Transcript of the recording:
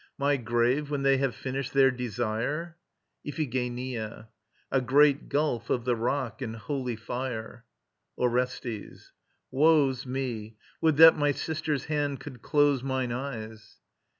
My grave, when they have finished their desire? IPHIGENIA. A great gulf of the rock, and holy fire. ORESTES. Woe's me! Would that my sister's hand could close mine eyes!